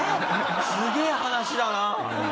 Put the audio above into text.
すげえ話だな！